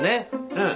うん。